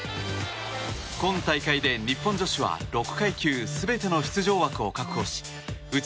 今大会で日本女子は６階級全ての出場枠を確保しうち